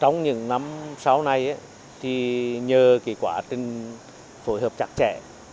những năm sau này thì nhờ kỳ quả phối hợp chặt chẽ